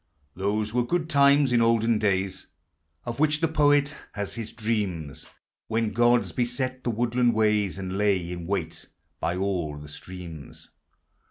Those were good times, in olden days, Of which the poet has his dreams, THOUGHT: POETRY: BOOKS. 350 When gods beset the woodland ways, And lay in wait by all the streams.